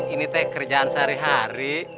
ini teh kerjaan sehari hari